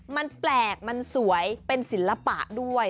มันแปลกมันสวยเป็นศิลปะด้วย